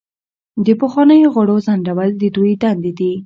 د پخوانیو غړو ځنډول د دوی دندې دي.